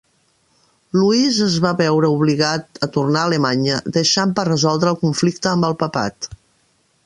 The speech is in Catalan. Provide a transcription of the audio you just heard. Louis es va veure obligat a tornar a Alemanya, deixant per resoldre el conflicte amb el papat.